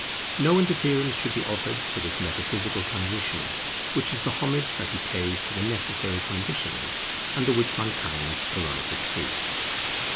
No interference should be offered to this metaphysical transition, which is the homage that he pays to the necessary conditions under which mankind arrives at truth.